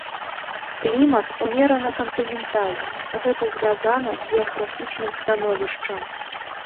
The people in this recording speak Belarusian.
Клімат умерана-кантынентальны, гэта звязана з геаграфічным становішчам.